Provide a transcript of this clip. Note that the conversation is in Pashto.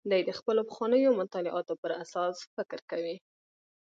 دی د خپلو پخوانیو مطالعاتو پر اساس فکر کوي.